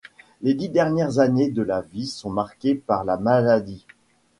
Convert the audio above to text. Les dix dernières années de sa vie sont marquées par la maladie.